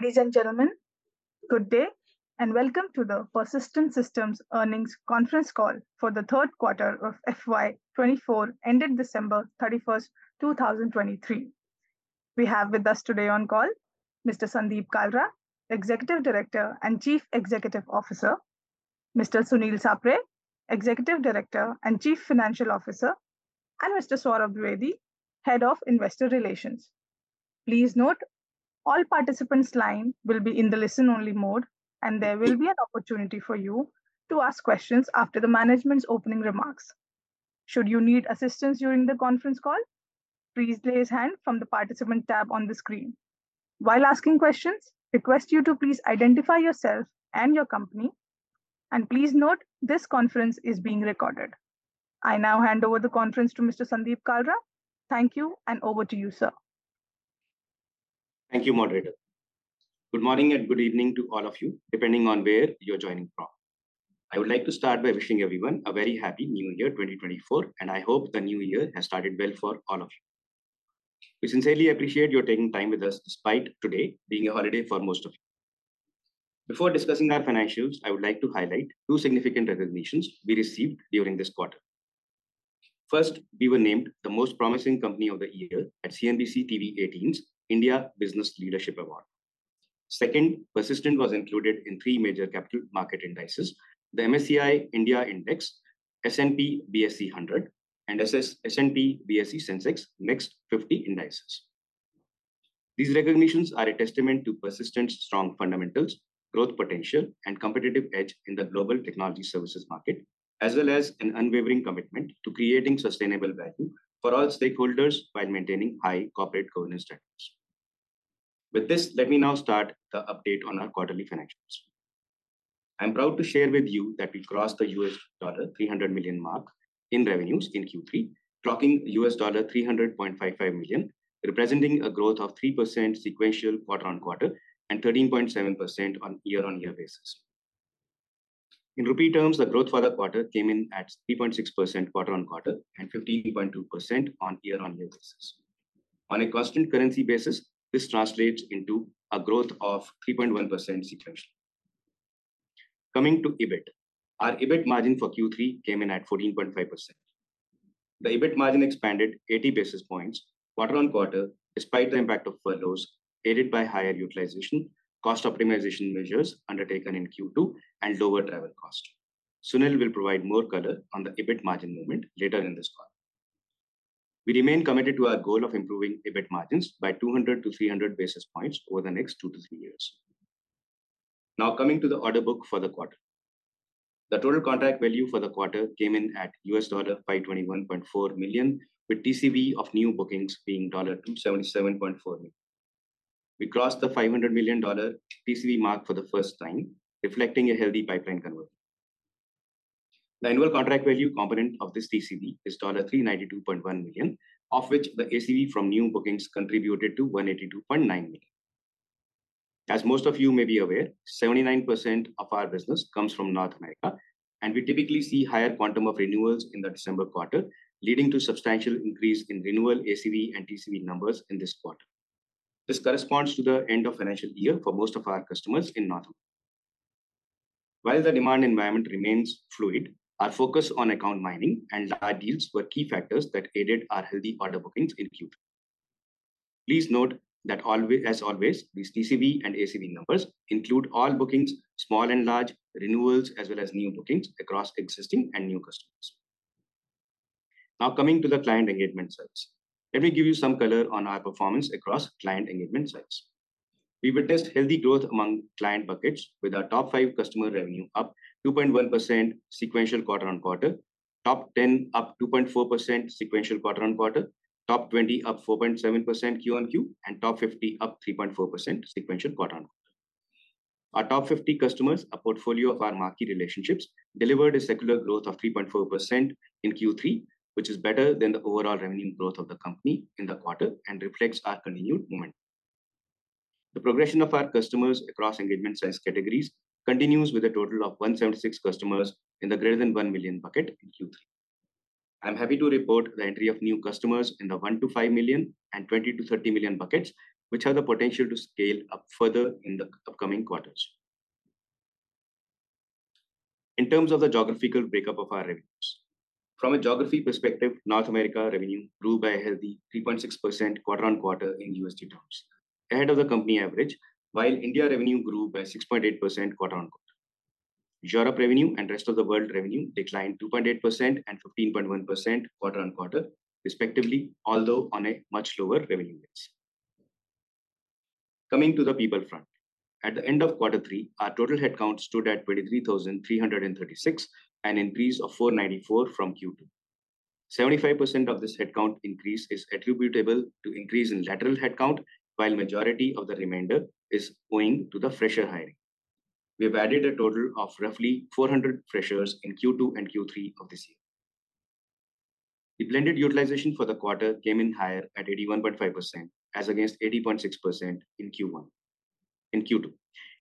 Ladies and gentlemen, good day, and welcome to the Persistent Systems Earnings Conference Call for the third quarter of FY 2024, ending December 31, 2023. We have with us today on call Mr. Sandeep Kalra, Executive Director and Chief Executive Officer, Mr. Sunil Sapre, Executive Director and Chief Financial Officer, and Mr. Saurabh Dwivedi, Head of Investor Relations. Please note all participants' lines will be in the listen-only mode, and there will be an opportunity for you to ask questions after the management's opening remarks. Should you need assistance during the conference call, please raise hand from the participant tab on the screen. While asking questions, request you to please identify yourself and your company, and please note this conference is being recorded. I now hand over the conference to Mr. Sandeep Kalra. Thank you, and over to you, sir. Thank you, moderator. Good morning and good evening to all of you, depending on where you're joining from. I would like to start by wishing everyone a very happy New Year 2024, and I hope the new year has started well for all of you. We sincerely appreciate you taking time with us, despite today being a holiday for most of you. Before discussing our financials, I would like to highlight two significant recognitions we received during this quarter. First, we were named the Most Promising Company of the Year at CNBC-TV18's India Business Leadership Award. Second, Persistent was included in three major capital market indices: the MSCI India Index, S&P BSE 100, and S&P BSE SENSEX Next 50indexes. These recognitions are a testament to Persistent's strong fundamentals, growth potential, and competitive edge in the global technology services market, as well as an unwavering commitment to creating sustainable value for all stakeholders by maintaining high corporate governance standards. With this, let me now start the update on our quarterly financials. I'm proud to share with you that we crossed the $300 million mark in revenues in Q3, clocking $300.55 million, representing a growth of 3% sequential quarter-on-quarter and 13.7% on year-on-year basis. In rupee terms, the growth for the quarter came in at 3.6% quarter-on-quarter and 15.2% on year-on-year basis. On a constant currency basis, this translates into a growth of 3.1% sequential. Coming to EBIT. Our EBIT margin for Q3 came in at 14.5%. The EBIT margin expanded 80 basis points quarter-on-quarter, despite the impact of furloughs, aided by higher utilization, cost optimization measures undertaken in Q2, and lower travel cost. Sunil will provide more color on the EBIT margin movement later in this call. We remain committed to our goal of improving EBIT margins by 200-300 basis points over the next 2-3 years. Now, coming to the order book for the quarter. The total contract value for the quarter came in at $521.4 million, with TCV of new bookings being $277.4 million. We crossed the $500 million TCV mark for the first time, reflecting a healthy pipeline conversion. The annual contract value component of this TCV is $392.1 million, of which the ACV from new bookings contributed to $182.9 million. As most of you may be aware, 79% of our business comes from North America, and we typically see higher quantum of renewals in the December quarter, leading to substantial increase in renewal ACV and TCV numbers in this quarter. This corresponds to the end of financial year for most of our customers in North America. While the demand environment remains fluid, our focus on account mining and large deals were key factors that aided our healthy order bookings in Q3. Please note that, as always, these TCV and ACV numbers include all bookings, small and large, renewals, as well as new bookings across existing and new customers. Now coming to the client engagement size. Let me give you some color on our performance across client engagement size. We witnessed healthy growth among client buckets, with our top five customer revenue up 2.1% sequential quarter-on-quarter, top ten up 2.4% sequential quarter-on-quarter, top twenty up 4.7% Q-on-Q, and top fifty up 3.4% sequential quarter-on-quarter. Our top fifty customers, a portfolio of our marquee relationships, delivered a secular growth of 3.4% in Q3, which is better than the overall revenue growth of the company in the quarter and reflects our continued momentum. The progression of our customers across engagement size categories continues with a total of 176 customers in the greater than $1 million bucket in Q3. I'm happy to report the entry of new customers in the $1-5 million and $20-30 million buckets, which have the potential to scale up further in the upcoming quarters. In terms of the geographical breakup of our revenues. From a geography perspective, North America revenue grew by a healthy 3.6% quarter-on-quarter in USD terms, while India revenue grew by 6.8% quarter-on-quarter. Europe revenue and rest of the world revenue declined 2.8% and 15.1% quarter-on-quarter, respectively, although on a much lower revenue base. Coming to the people front. At the end of quarter three, our total headcount stood at 23,336, an increase of 494 from Q2. 75% of this headcount increase is attributable to increase in lateral headcount, while majority of the remainder is owing to the fresher hiring. We have added a total of roughly 400 freshers in Q2 and Q3 of this year. The blended utilization for the quarter came in higher at 81.5%, as against 80.6% in Q2,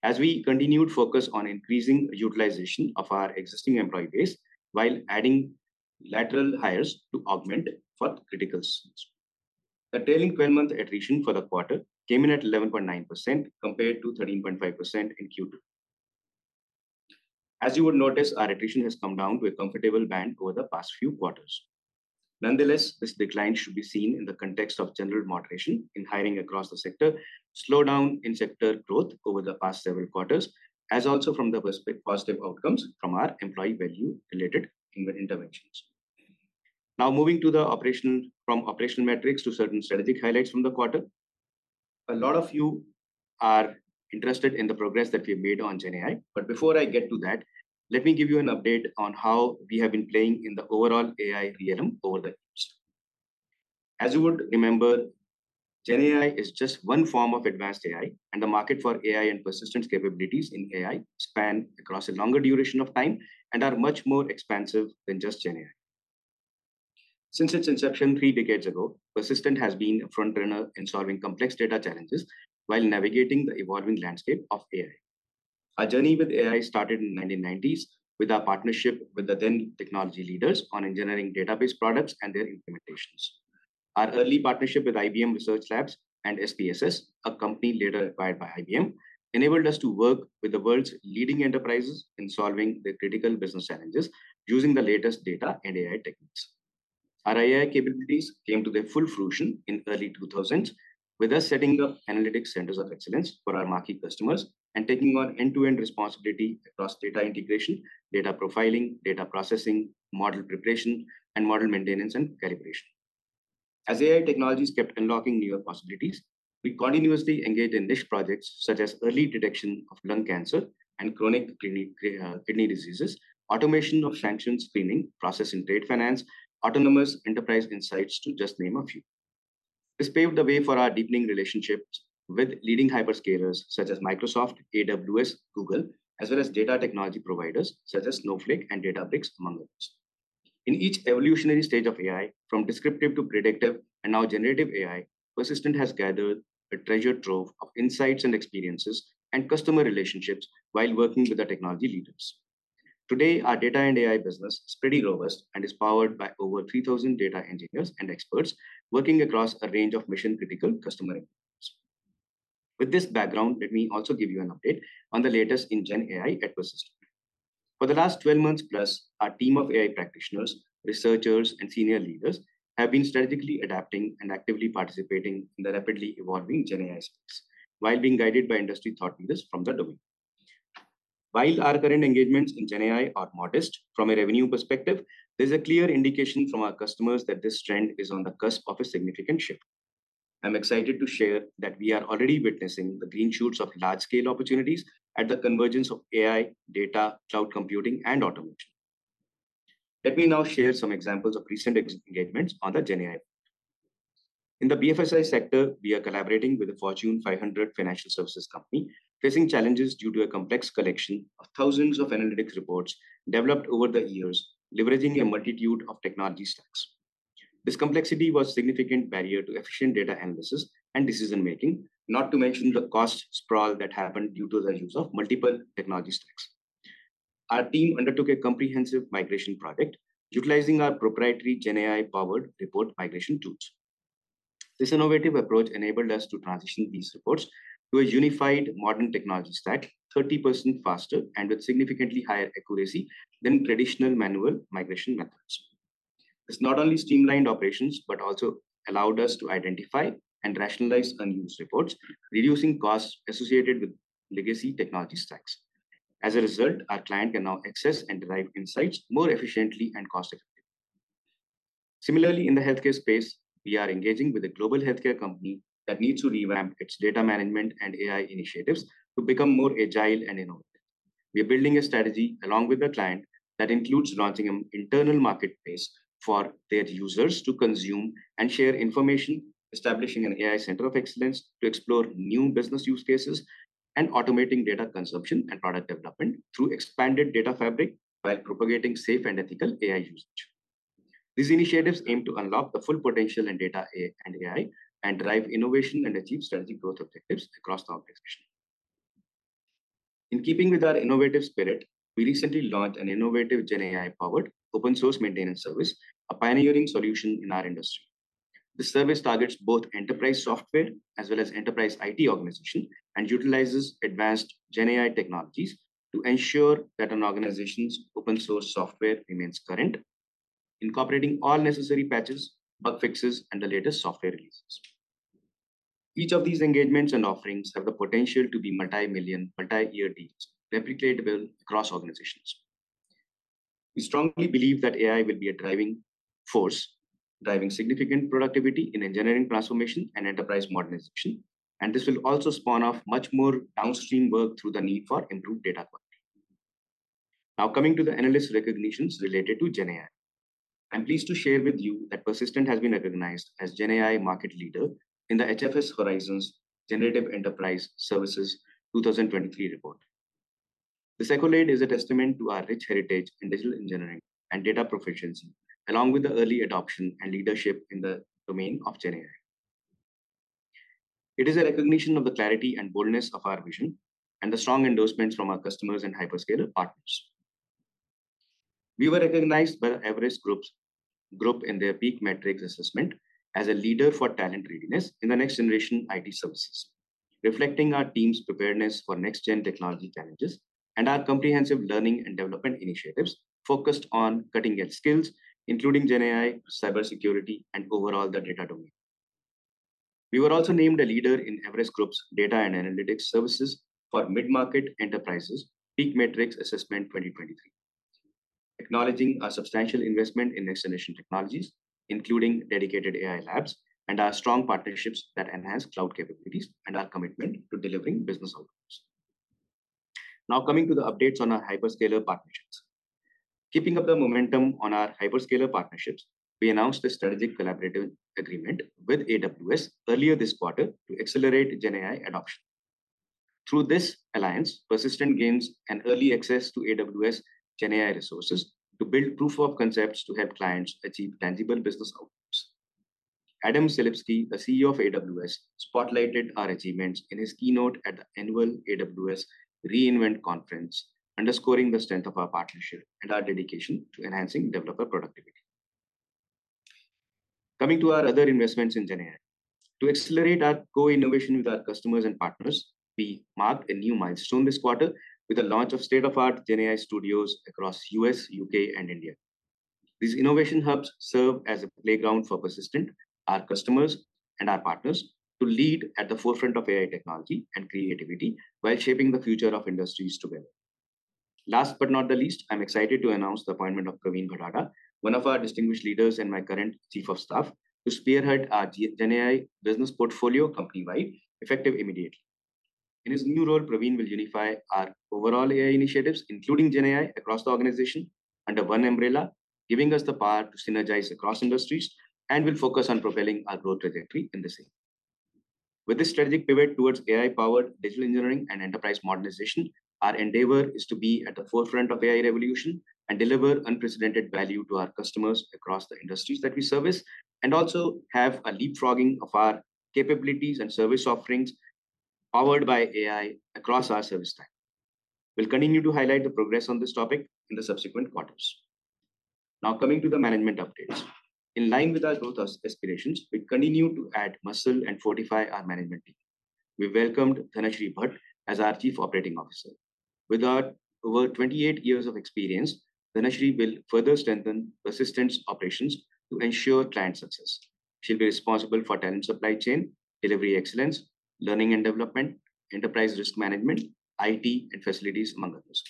as we continued focus on increasing utilization of our existing employee base, while adding lateral hires to augment for critical skills. The trailing twelve-month attrition for the quarter came in at 11.9%, compared to 13.5% in Q2. As you will notice, our attrition has come down to a comfortable band over the past few quarters. Nonetheless, this decline should be seen in the context of general moderation in hiring across the sector, slowdown in sector growth over the past several quarters, as also from the perspective of positive outcomes from our employee value-related interventions. Now, moving from operational metrics to certain strategic highlights from the quarter. A lot of you are interested in the progress that we've made on GenAI, but before I get to that, let me give you an update on how we have been playing in the overall AI realm over the years. As you would remember, GenAI is just one form of advanced AI, and the market for AI and Persistent's capabilities in AI span across a longer duration of time and are much more expansive than just GenAI. Since its inception three decades ago, Persistent has been a frontrunner in solving complex data challenges while navigating the evolving landscape of AI. Our journey with AI started in 1990s, with our partnership with the then technology leaders on engineering database products and their implementations. Our early partnership with IBM Research Labs and SPSS, a company later acquired by IBM, enabled us to work with the world's leading enterprises in solving their critical business challenges using the latest data and AI techniques. Our AI capabilities came to their full fruition in early 2000s, with us setting up analytics centers of excellence for our marquee customers and taking on end-to-end responsibility across data integration, data profiling, data processing, model preparation, and model maintenance and calibration. As AI technologies kept unlocking newer possibilities, we continuously engaged in niche projects such as early detection of lung cancer and chronic kidney diseases, automation of sanction screening process in trade finance, autonomous enterprise insights, to just name a few. This paved the way for our deepening relationships with leading hyperscalers such as Microsoft, AWS, Google, as well as data technology providers such as Snowflake and Databricks, among others. In each evolutionary stage of AI, from descriptive to predictive and now generative AI, Persistent has gathered a treasure trove of insights and experiences and customer relationships while working with the technology leaders. Today, our data and AI business is pretty robust and is powered by over 3,000 data engineers and experts working across a range of mission-critical customer requirements. With this background, let me also give you an update on the latest in GenAI ecosystem. For the last twelve months plus, our team of AI practitioners, researchers, and senior leaders have been strategically adapting and actively participating in the rapidly evolving GenAI space while being guided by industry thought leaders from the domain. While our current engagements in GenAI are modest from a revenue perspective, there's a clear indication from our customers that this trend is on the cusp of a significant shift. I'm excited to share that we are already witnessing the green shoots of large-scale opportunities at the convergence of AI, data, cloud computing, and automation. Let me now share some examples of recent engagements on the GenAI. In the BFSI sector, we are collaborating with a Fortune 500 financial services company facing challenges due to a complex collection of thousands of analytics reports developed over the years, leveraging a multitude of technology stacks. This complexity was a significant barrier to efficient data analysis and decision-making, not to mention the cost sprawl that happened due to the use of multiple technology stacks. Our team undertook a comprehensive migration project utilizing our proprietary GenAI-powered report migration tools. This innovative approach enabled us to transition these reports to a unified modern technology stack, 30% faster and with significantly higher accuracy than traditional manual migration methods. This not only streamlined operations, but also allowed us to identify and rationalize unused reports, reducing costs associated with legacy technology stacks. As a result, our client can now access and derive insights more efficiently and cost-effectively. Similarly, in the healthcare space, we are engaging with a global healthcare company that needs to revamp its data management and AI initiatives to become more agile and innovative. We are building a strategy along with the client that includes launching an internal marketplace for their users to consume and share information, establishing an AI center of excellence to explore new business use cases, and automating data consumption and product development through expanded data fabric, while propagating safe and ethical AI usage. These initiatives aim to unlock the full potential in data and AI, and drive innovation and achieve strategic growth objectives across the organization. In keeping with our innovative spirit, we recently launched an innovative GenAI-powered open source maintenance service, a pioneering solution in our industry. The service targets both enterprise software as well as enterprise IT organization, and utilizes advanced GenAI technologies to ensure that an organization's open source software remains current, incorporating all necessary patches, bug fixes, and the latest software releases. Each of these engagements and offerings have the potential to be multi-million, multi-year deals, replicatable across organizations. We strongly believe that AI will be a driving force, driving significant productivity in engineering transformation and enterprise modernization, and this will also spawn off much more downstream work through the need for improved data quality. Now, coming to the analyst recognitions related to GenAI. I'm pleased to share with you that Persistent has been recognized as GenAI market leader in the HFS Horizons Generative Enterprise Services 2023 report. This accolade is a testament to our rich heritage in digital engineering and data proficiency, along with the early adoption and leadership in the domain of GenAI. It is a recognition of the clarity and boldness of our vision, and the strong endorsements from our customers and hyperscaler partners. We were recognized by Everest Group in their PEAK Matrix Assessment as a leader for talent readiness in the next generation IT services, reflecting our team's preparedness for next-gen technology challenges and our comprehensive learning and development initiatives focused on cutting-edge skills, including GenAI, cybersecurity, and overall the data domain. We were also named a leader in Everest Group's Data and Analytics Services for mid-market enterprises, PEAK Matrix Assessment 2023, acknowledging our substantial investment in next-generation technologies, including dedicated AI labs, and our strong partnerships that enhance cloud capabilities and our commitment to delivering business outcomes. Now, coming to the updates on our hyperscaler partnerships. Keeping up the momentum on our hyperscaler partnerships, we announced a strategic collaborative agreement with AWS earlier this quarter to accelerate GenAI adoption. Through this alliance, Persistent gains an early access to AWS GenAI resources to build proof of concepts to help clients achieve tangible business outcomes. Adam Selipsky, the CEO of AWS, spotlighted our achievements in his keynote at the annual AWS re:Invent conference, underscoring the strength of our partnership and our dedication to enhancing developer productivity. Coming to our other investments in GenAI. To accelerate our co-innovation with our customers and partners, we marked a new milestone this quarter with the launch of state-of-the-art GenAI Studios across U.S., U.K., and India. These innovation hubs serve as a playground for Persistent, our customers, and our partners to lead at the forefront of AI technology and creativity while shaping the future of industries together. Last but not the least, I'm excited to announce the appointment of Praveen Bhadada, one of our distinguished leaders and my current chief of staff, to spearhead our GenAI business portfolio company-wide, effective immediately. In his new role, Praveen will unify our overall AI initiatives, including GenAI, across the organization under one umbrella, giving us the power to synergize across industries, and will focus on propelling our growth trajectory in the same. With this strategic pivot towards AI-powered digital engineering and enterprise modernization, our endeavor is to be at the forefront of AI revolution and deliver unprecedented value to our customers across the industries that we service, and also have a leapfrogging of our capabilities and service offerings powered by AI across our service stack. We'll continue to highlight the progress on this topic in the subsequent quarters. Now, coming to the management updates. In line with our growth aspirations, we continue to add muscle and fortify our management team. We welcomed Dhanashree Bhat as our Chief Operating Officer. With her over 28 years of experience, Dhanashree will further strengthen Persistent's operations to ensure client success. She'll be responsible for talent supply chain, delivery excellence, learning and development, enterprise risk management, IT, and facilities, among others.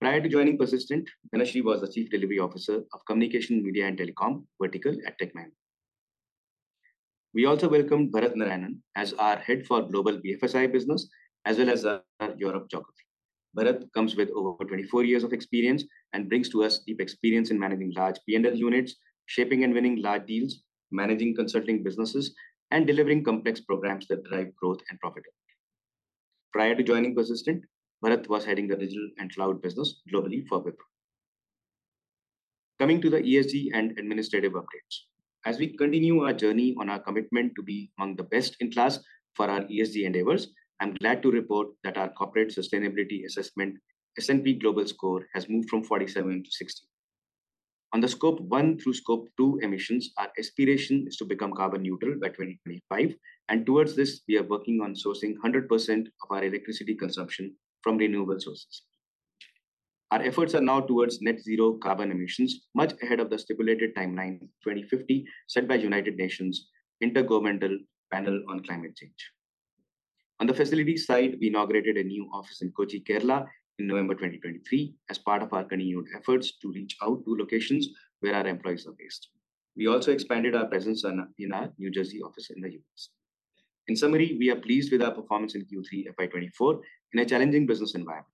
Prior to joining Persistent, Dhanashree was the chief delivery officer of Communication, Media, and Telecom vertical at Tech Mahindra. We also welcome Barath Narayanan as our head for Global BFSI business, as well as our Europe geography. Bharat comes with over 24 years of experience and brings to us deep experience in managing large P&L units, shaping and winning large deals, managing consulting businesses, and delivering complex programs that drive growth and profitability. Prior to joining Persistent, Bharat was heading the digital and cloud business globally for Wipro. Coming to the ESG and administrative updates. As we continue our journey on our commitment to be among the best in class for our ESG endeavors, I'm glad to report that our corporate sustainability assessment, S&P Global score, has moved from 47 to 60. On the scope one through scope two emissions, our aspiration is to become carbon neutral by 2025, and towards this, we are working on sourcing 100% of our electricity consumption from renewable sources. Our efforts are now towards net zero carbon emissions, much ahead of the stipulated timeline, 2050, set by United Nations Intergovernmental Panel on Climate Change. On the facilities side, we inaugurated a new office in Kochi, Kerala, in November 2023, as part of our continued efforts to reach out to locations where our employees are based. We also expanded our presence in our New Jersey office in the U.S. In summary, we are pleased with our performance in Q3 of FY 2024 in a challenging business environment.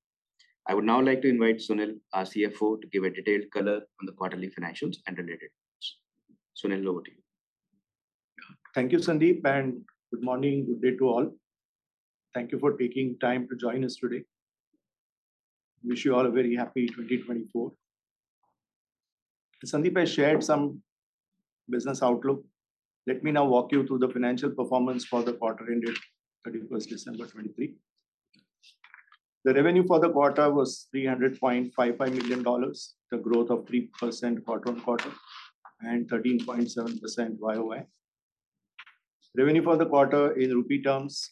I would now like to invite Sunil, our CFO, to give a detailed color on the quarterly financials and related items. Sunil, over to you. Thank you, Sandeep, and good morning, good day to all. Thank you for taking time to join us today. Wish you all a very happy 2024. Sandeep has shared some business outlook. Let me now walk you through the financial performance for the quarter ended thirty-first December, 2023. The revenue for the quarter was $300.55 million, the growth of 3% quarter-on-quarter and 13.7% YOY. Revenue for the quarter in rupee terms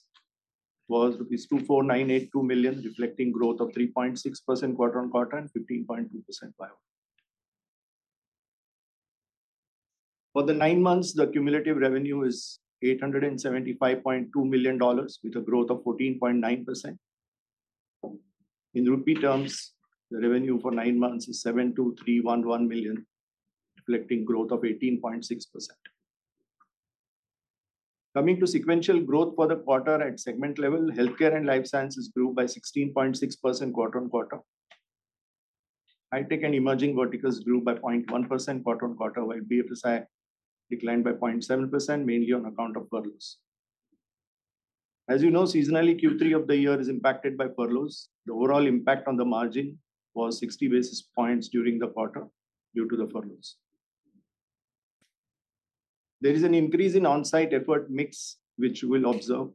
was rupees 2,498.2 million, reflecting growth of 3.6% quarter-on-quarter and 15.2% YOY. For the nine months, the cumulative revenue is $875.2 million, with a growth of 14.9%. In rupee terms, the revenue for nine months is 72,311 million, reflecting growth of 18.6%. Coming to sequential growth for the quarter at segment level, healthcare and life sciences grew by 16.6% quarter-on-quarter. IT and emerging verticals grew by 0.1% quarter-on-quarter, while BFSI declined by 0.7%, mainly on account of furloughs. As you know, seasonally, Q3 of the year is impacted by furloughs. The overall impact on the margin was 60 basis points during the quarter due to the furloughs. There is an increase in on-site effort mix which we'll observe,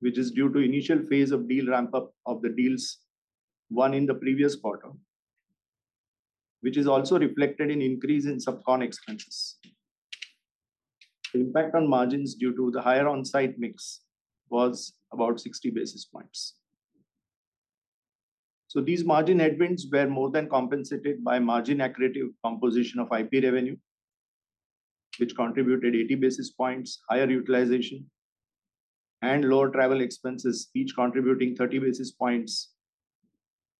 which is due to initial phase of deal ramp-up of the deals won in the previous quarter, which is also reflected in increase in subcon expenses. The impact on margins due to the higher on-site mix was about 60 basis points. These margin headwinds were more than compensated by margin accretive composition of IP revenue, which contributed 80 basis points, higher utilization and lower travel expenses, each contributing 30 basis points,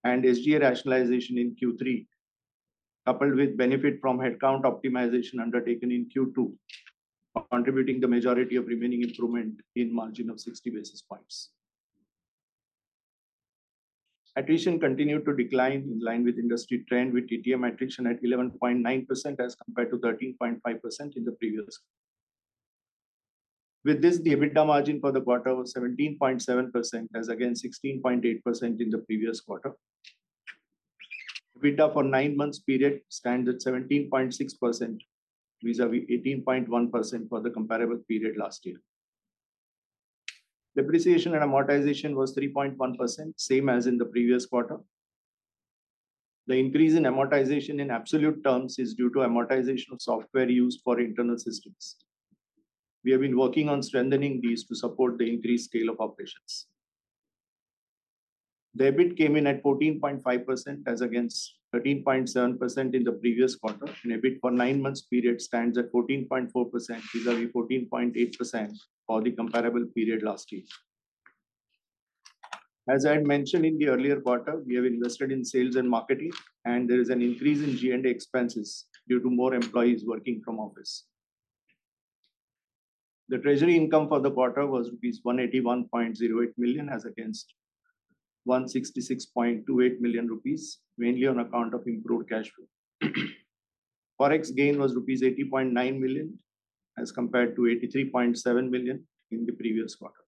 and SGA rationalization in Q3, coupled with benefit from headcount optimization undertaken in Q2, are contributing the majority of remaining improvement in margin of 60 basis points. Attrition continued to decline in line with industry trend, with TTM attrition at 11.9% as compared to 13.5% in the previous. With this, the EBITDA margin for the quarter was 17.7% as against 16.8% in the previous quarter. EBITDA for nine months period stands at 17.6%, vis-à-vis 18.1% for the comparable period last year. Depreciation and amortization was 3.1%, same as in the previous quarter. The increase in amortization in absolute terms is due to amortization of software used for internal systems. We have been working on strengthening these to support the increased scale of operations. The EBIT came in at 14.5% as against 13.7% in the previous quarter, and EBIT for 9 months period stands at 14.4%, vis-à-vis 14.8% for the comparable period last year. As I had mentioned in the earlier quarter, we have invested in sales and marketing, and there is an increase in G&A expenses due to more employees working from office. The treasury income for the quarter was rupees 181.08 million, as against 166.28 million rupees, mainly on account of improved cash flow. Forex gain was rupees 80.9 million, as compared to 83.7 million in the previous quarter.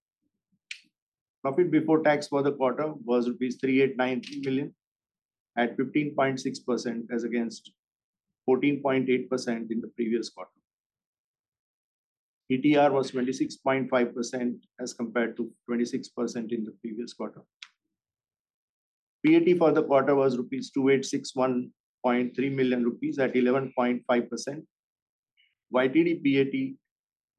Profit before tax for the quarter was rupees 3,893 million at 15.6% as against 14.8% in the previous quarter. ETR was 26.5% as compared to 26% in the previous quarter. PAT for the quarter was 2,861.3 million rupees at 11.5%, while YTD PAT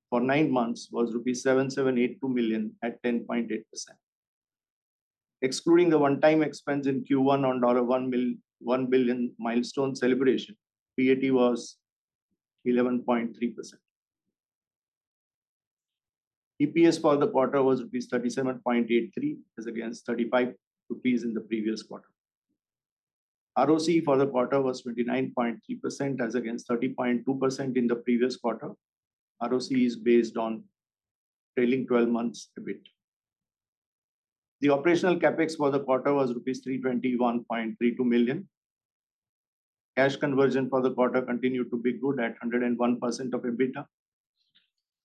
for nine months was rupees 7,782 million at 10.8%. Excluding the one-time expense in Q1 on $1 billion milestone celebration, PAT was 11.3%. EPS for the quarter was rupees 37.83, as against 35 rupees in the previous quarter. ROC for the quarter was 29.3% as against 30.2% in the previous quarter. ROC is based on trailing twelve months EBIT. The operational CapEx for the quarter was rupees 321.32 million. Cash conversion for the quarter continued to be good at 101% of EBITDA.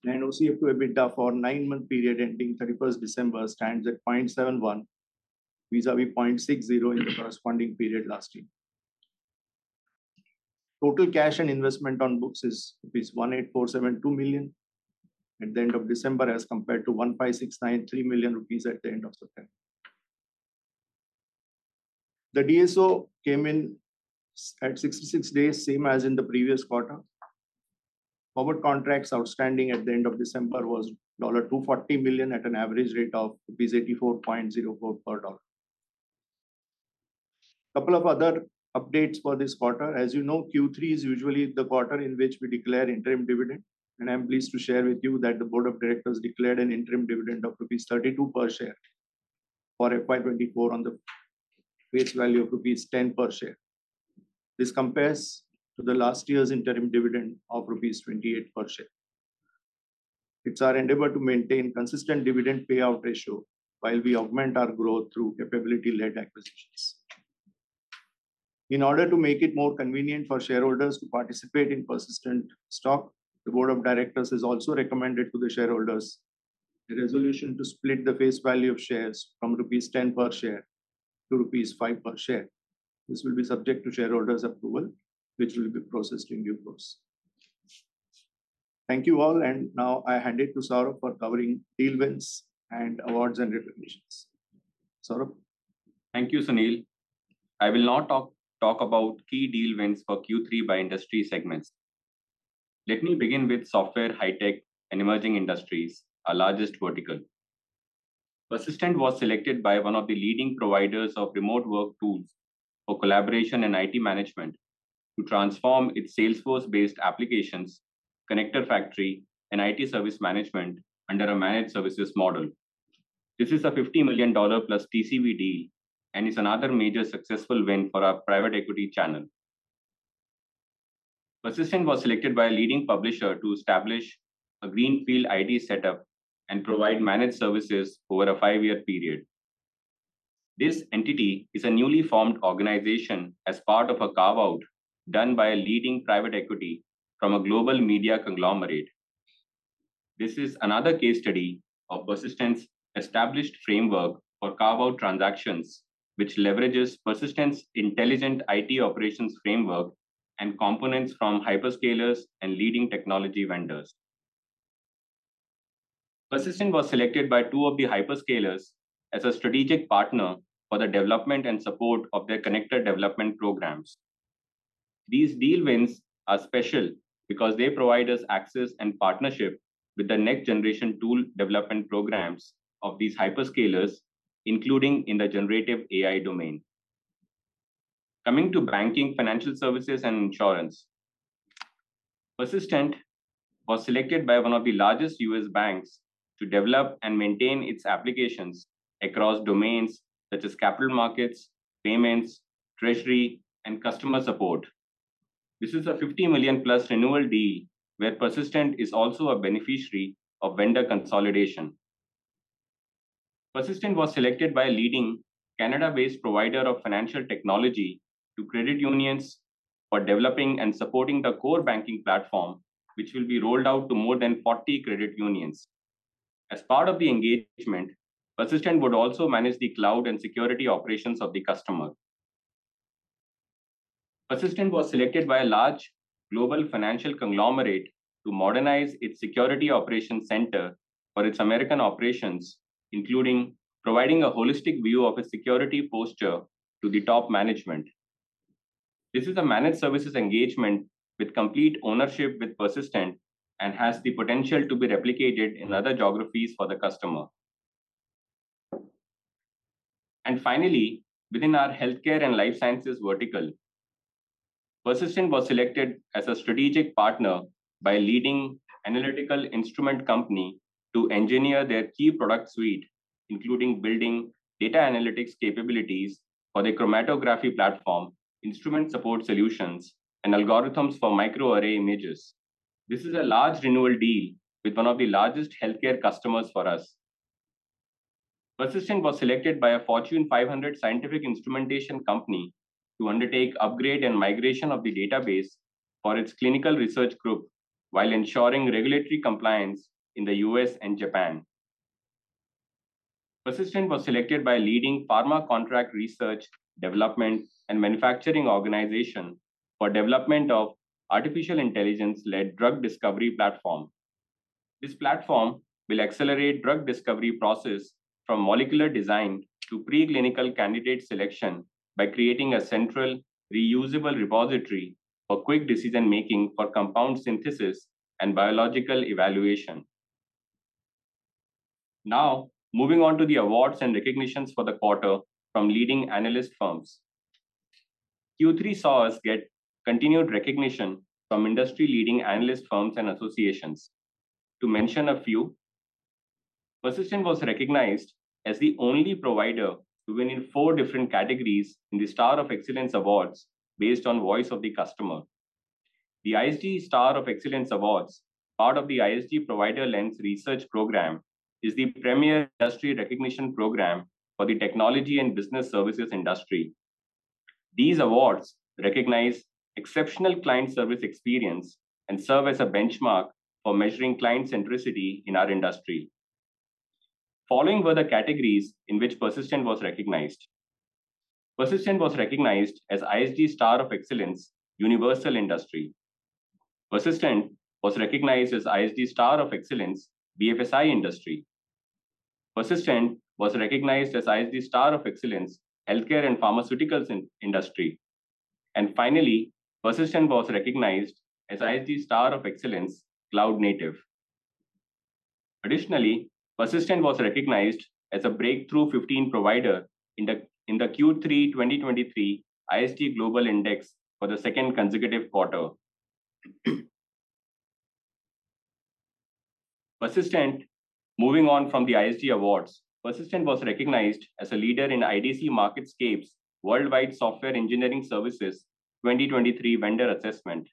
OCF to EBITDA for nine-month period ending December 31 stands at 0.71, vis-à-vis 0.60 in the corresponding period last year. Total cash and investment on books is rupees 1,847.2 million at the end of December, as compared to 1,569.3 million rupees at the end of September. The DSO came in at 66 days, same as in the previous quarter. Forward contracts outstanding at the end of December was $240 million at an average rate of rupees 84.04 per dollar. Couple of other updates for this quarter. As you know, Q3 is usually the quarter in which we declare interim dividend, and I'm pleased to share with you that the board of directors declared an interim dividend of rupees 32 per share for FY 2024 on the face value of rupees 10 per share. This compares to the last year's interim dividend of rupees 28 per share. It's our endeavor to maintain consistent dividend payout ratio while we augment our growth through capability-led acquisitions. In order to make it more convenient for shareholders to participate in Persistent stock, the board of directors has also recommended to the shareholders a resolution to split the face value of shares from rupees 10 per share to rupees 5 per share. This will be subject to shareholders' approval, which will be processed in due course. Thank you, all, and now I hand it to Saurabh for covering deal wins and awards and recognitions. Saurabh? Thank you, Sunil. I will now talk about key deal wins for Q3 by industry segments. Let me begin with software, high tech, and emerging industries, our largest vertical. Persistent was selected by one of the leading providers of remote work tools for collaboration and IT management to transform its Salesforce-based applications, connector factory, and IT service management under a managed services model. This is a $50 million+ TCV deal, and it's another major successful win for our private equity channel. Persistent was selected by a leading publisher to establish a greenfield IT setup and provide managed services over a five-year period. This entity is a newly formed organization as part of a carve-out done by a leading private equity from a global media conglomerate. This is another case study of Persistent's established framework for carve-out transactions, which leverages Persistent's intelligent IT operations framework and components from hyperscalers and leading technology vendors. Persistent was selected by two of the hyperscalers as a strategic partner for the development and support of their connected development programs. These deal wins are special because they provide us access and partnership with the next-generation tool development programs of these hyperscalers, including in the generative AI domain. Coming to banking, financial services, and insurance, Persistent was selected by one of the largest U.S. banks to develop and maintain its applications across domains such as capital markets, payments, treasury, and customer support. This is a $50 million+ renewal deal, where Persistent is also a beneficiary of vendor consolidation. Persistent was selected by a leading Canada-based provider of financial technology to credit unions for developing and supporting the core banking platform, which will be rolled out to more than 40 credit unions. As part of the engagement, Persistent would also manage the cloud and security operations of the customer. Persistent was selected by a large global financial conglomerate to modernize its security operations center for its American operations, including providing a holistic view of its security posture to the top management. This is a managed services engagement with complete ownership with Persistent and has the potential to be replicated in other geographies for the customer. And finally, within our healthcare and life sciences vertical, Persistent was selected as a strategic partner by a leading analytical instrument company to engineer their key product suite, including building data analytics capabilities for the chromatography platform, instrument support solutions, and algorithms for microarray images. This is a large renewal deal with one of the largest healthcare customers for us. Persistent was selected by a Fortune 500 scientific instrumentation company to undertake upgrade and migration of the database for its clinical research group, while ensuring regulatory compliance in the U.S. and Japan. Persistent was selected by a leading pharma contract research, development, and manufacturing organization for development of artificial intelligence-led drug discovery platform. This platform will accelerate drug discovery process from molecular design to preclinical candidate selection by creating a central reusable repository for quick decision-making for compound synthesis and biological evaluation. Now, moving on to the awards and recognitions for the quarter from leading analyst firms. Q3 saw us get continued recognition from industry-leading analyst firms and associations. To mention a few, Persistent was recognized as the only provider to win in four different categories in the Star of Excellence Awards based on voice of the customer. The ISG Star of Excellence Awards, part of the ISG Provider Lens Research Program, is the premier industry recognition program for the technology and business services industry. These awards recognize exceptional client service experience and serve as a benchmark for measuring client centricity in our industry. Following were the categories in which Persistent was recognized. Persistent was recognized as ISG Star of Excellence, Universal Industry. Persistent was recognized as ISG Star of Excellence, BFSI Industry. Persistent was recognized as ISG Star of Excellence, Healthcare and Pharmaceuticals Industry. Finally, Persistent was recognized as ISG Star of Excellence, Cloud Native. Additionally, Persistent was recognized as a Breakout 15 provider in the Q3 2023 ISG Global Index for the second consecutive quarter. Moving on from the ISG awards, Persistent was recognized as a leader in IDC MarketScape Worldwide Software Engineering Services 2023 Vendor Assessment.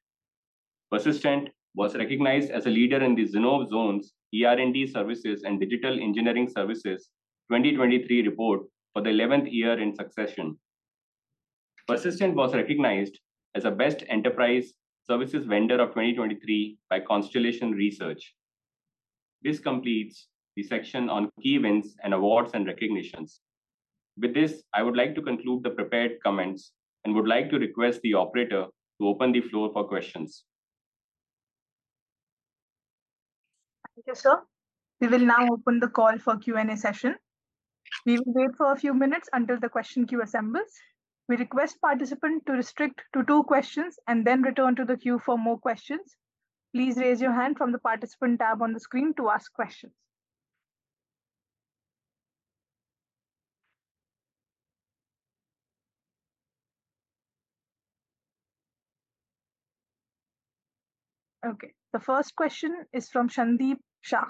Persistent was recognized as a leader in the Zinnov Zones ER&D Services and Digital Engineering Services 2023 report for the eleventh year in succession. Persistent was recognized as a Best Enterprise Services Vendor of 2023 by Constellation Research. This completes the section on key wins and awards and recognitions. With this, I would like to conclude the prepared comments and would like to request the operator to open the floor for questions. Thank you, sir. We will now open the call for Q&A session. We will wait for a few minutes until the question queue assembles. We request participant to restrict to two questions and then return to the queue for more questions. Please raise your hand from the Participant tab on the screen to ask questions. Okay, the first question is from Sandeep Shah....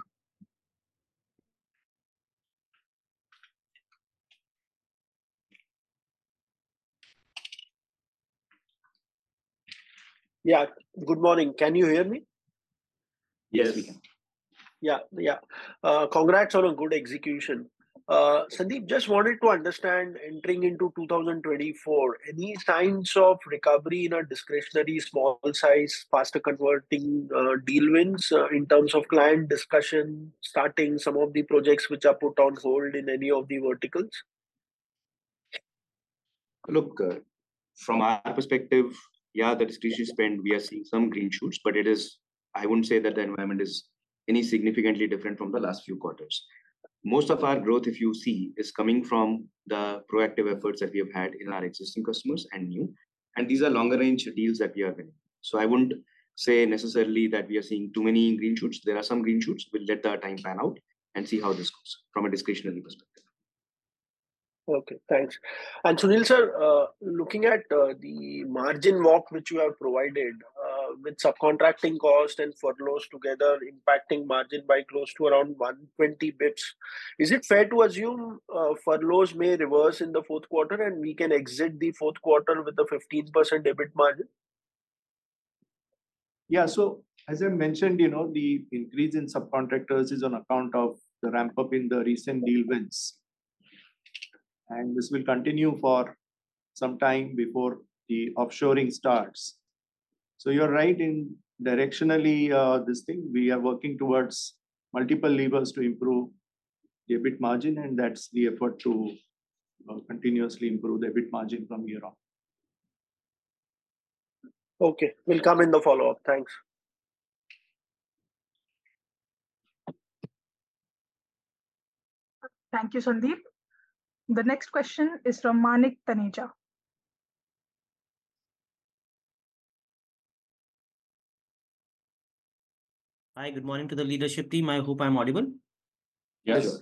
Yeah, good morning. Can you hear me? Yes, we can. Yeah, yeah. Congrats on a good execution. Sandeep, just wanted to understand, entering into 2024, any signs of recovery in our discretionary small size, faster converting, deal wins, in terms of client discussion, starting some of the projects which are put on hold in any of the verticals? Look, from our perspective, yeah, the discretionary spend, we are seeing some green shoots, but it is, I wouldn't say that the environment is any significantly different from the last few quarters. Most of our growth, if you see, is coming from the proactive efforts that we have had in our existing customers and new, and these are longer-range deals that we are winning. So I wouldn't say necessarily that we are seeing too many green shoots. There are some green shoots, we'll let the time pan out and see how this goes from a discretionary perspective. Okay, thanks. And Sunil, sir, looking at the margin walk which you have provided, with subcontracting cost and furloughs together impacting margin by close to around 120 basis points, is it fair to assume furloughs may reverse in the fourth quarter, and we can exit the fourth quarter with a 15% EBIT margin? Yeah. So as I mentioned, you know, the increase in subcontractors is on account of the ramp-up in the recent deal wins. This will continue for some time before the offshoring starts. You're right directionally, this thing. We are working towards multiple levers to improve the EBIT margin, and that's the effort to continuously improve the EBIT margin from here on. Okay, will come in the follow-up. Thanks. Thank you, Sandeep. The next question is from Manik Taneja. Hi, good morning to the leadership team. I hope I'm audible. Yes. Yes.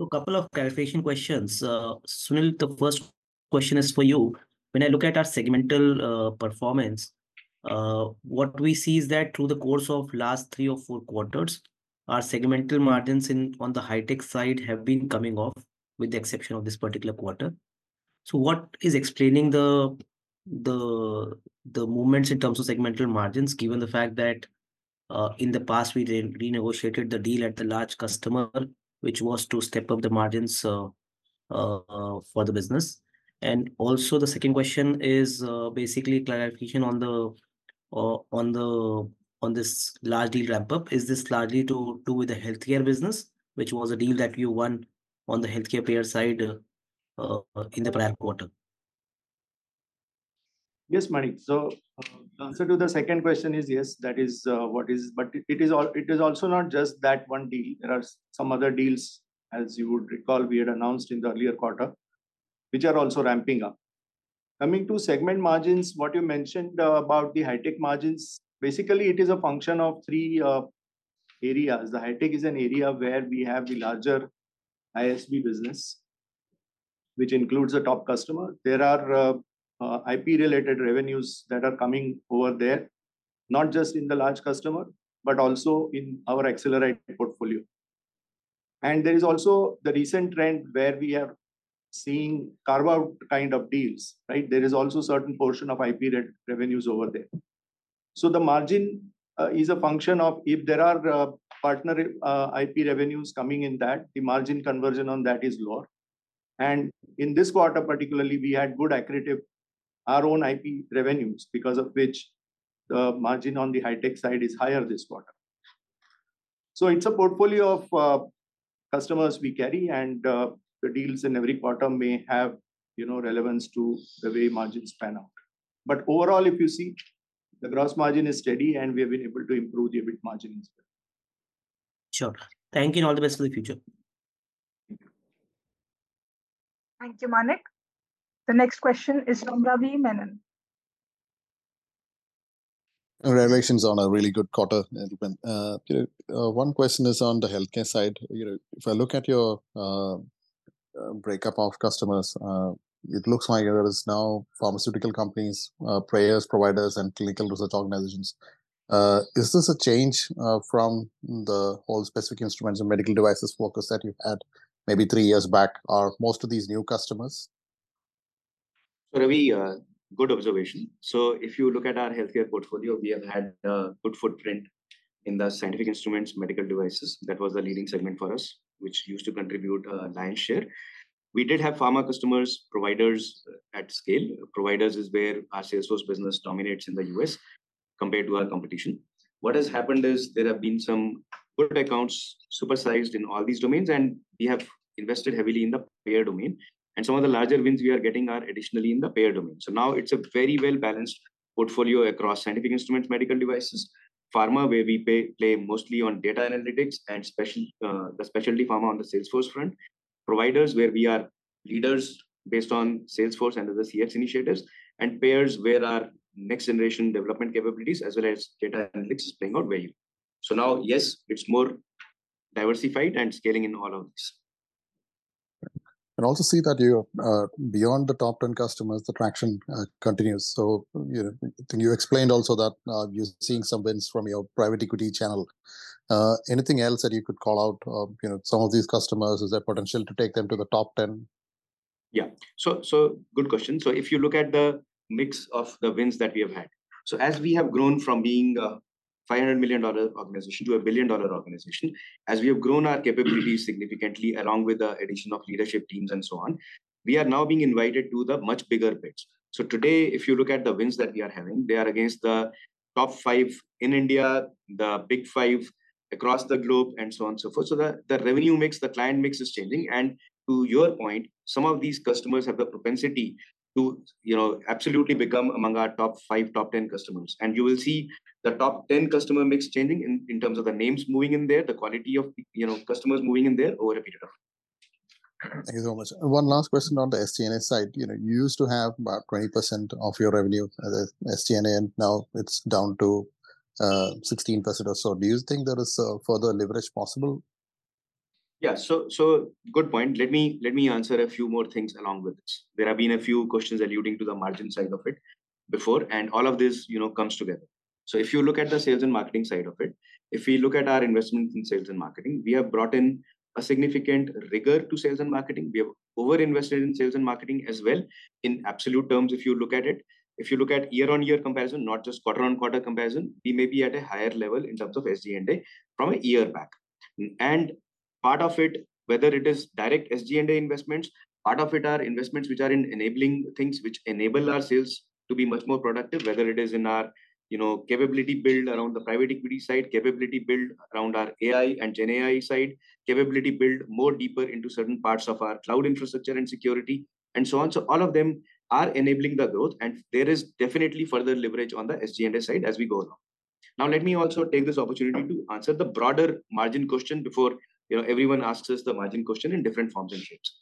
So couple of clarification questions. Sunil, the first question is for you. When I look at our segmental performance, what we see is that through the course of last three or four quarters, our segmental margins on the high-tech side have been coming off, with the exception of this particular quarter. So what is explaining the movements in terms of segmental margins, given the fact that in the past we renegotiated the deal at the large customer, which was to step up the margins for the business? And also, the second question is basically clarification on this large deal ramp-up. Is this largely to do with the healthcare business, which was a deal that you won on the healthcare payer side in the prior quarter? Yes, Manik. So, the answer to the second question is yes, that is. But it is also not just that one deal. There are some other deals, as you would recall, we had announced in the earlier quarter, which are also ramping up. Coming to segment margins, what you mentioned about the high-tech margins, basically it is a function of three areas. The high-tech is an area where we have the larger ISV business, which includes a top customer. There are IP-related revenues that are coming over there, not just in the large customer, but also in our accelerate portfolio. And there is also the recent trend where we are seeing carve-out kind of deals, right? There is also certain portion of IP revenues over there. So the margin is a function of if there are partner IP revenues coming in that, the margin conversion on that is lower. And in this quarter particularly, we had good accretive our own IP revenues, because of which the margin on the high-tech side is higher this quarter. So it's a portfolio of customers we carry, and the deals in every quarter may have, you know, relevance to the way margins pan out. But overall, if you see, the gross margin is steady, and we have been able to improve the EBIT margin instead. Sure. Thank you, and all the best for the future. Thank you, Manik. The next question is from Ravi Menon. Congratulations on a really good quarter, everyone. You know, one question is on the healthcare side. You know, if I look at your breakup of customers, it looks like there is now pharmaceutical companies, payers, providers, and clinical research organizations. Is this a change from the whole specific instruments and medical devices focus that you had maybe three years back? Are most of these new customers? So Ravi, good observation. So if you look at our healthcare portfolio, we have had a good footprint in the scientific instruments, medical devices. That was the leading segment for us, which used to contribute, lion's share. We did have pharma customers, providers at scale. Providers is where our Salesforce business dominates in the U.S. compared to our competition. What has happened is there have been some good accounts super-sized in all these domains, and we have invested heavily in the payer domain. And some of the larger wins we are getting are additionally in the payer domain. So now it's a very well-balanced portfolio across scientific instruments, medical devices, pharma, where we play mostly on data analytics and specialty pharma on the Salesforce front. Providers, where we are leaders based on Salesforce and other CX initiatives, and payers, where our next-generation development capabilities, as well as data analytics, is playing out well. So now, yes, it's more diversified and scaling in all of this. I also see that you, beyond the top 10 customers, the traction continues. You know, I think you explained also that you're seeing some wins from your private equity channel. Anything else that you could call out? You know, some of these customers, is there potential to take them to the top 10?... Yeah. So, so good question. So if you look at the mix of the wins that we have had. So as we have grown from being a $500 million organization to a $1 billion organization, as we have grown our capabilities significantly, along with the addition of leadership teams and so on, we are now being invited to the much bigger bids. So today, if you look at the wins that we are having, they are against the top five in India, the big five across the globe, and so on and so forth. So the, the revenue mix, the client mix is changing, and to your point, some of these customers have the propensity to, you know, absolutely become among our top five, top 10 customers. You will see the top 10 customer mix changing in, in terms of the names moving in there, the quality of, you know, customers moving in there over a period of time. Thank you so much. One last question on the SD&A side. You know, you used to have about 20% of your revenue as SG&A, and now it's down to 16% or so. Do you think there is further leverage possible? Yeah, so, so good point. Let me, let me answer a few more things along with this. There have been a few questions alluding to the margin side of it before, and all of this, you know, comes together. So if you look at the sales and marketing side of it, if we look at our investments in sales and marketing, we have brought in a significant rigor to sales and marketing. We have over-invested in sales and marketing as well. In absolute terms, if you look at it, if you look at year-on-year comparison, not just quarter-on-quarter comparison, we may be at a higher level in terms of SD&A from a year back. Part of it, whether it is direct SD&A investments, part of it are investments which are in enabling things which enable our sales to be much more productive, whether it is in our, you know, capability build around the private equity side, capability build around our AI and GenAI side, capability build more deeper into certain parts of our cloud infrastructure and security, and so on. All of them are enabling the growth, and there is definitely further leverage on the SD&A side as we go along. Now, let me also take this opportunity to answer the broader margin question before, you know, everyone asks us the margin question in different forms and shapes.